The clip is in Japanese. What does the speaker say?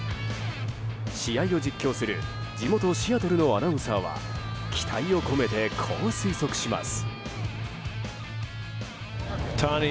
試合を実況する地元シアトルのアナウンサーは期待を込めて、こう推測します。